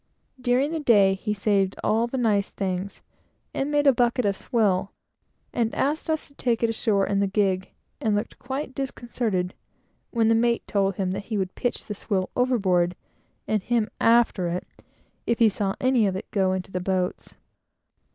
During the day, he saved all the nice things, and made a bucket of swill, and asked us to take it ashore in the gig, and looked quite disconcerted when the mate told him that he would pitch the swill overboard, and him after it, if he saw any of it go into the boats.